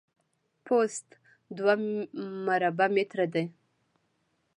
پوست دوه مربع متره ده.